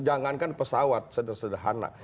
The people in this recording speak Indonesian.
jangankan pesawat sederhana